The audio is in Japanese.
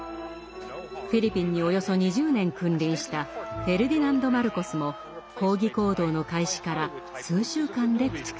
フィリピンにおよそ２０年君臨したフェルディナンド・マルコスも抗議行動の開始から数週間で駆逐されています。